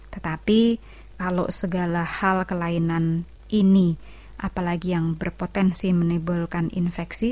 tetapi kalau segala hal kelainan ini apalagi yang berpotensi menimbulkan infeksi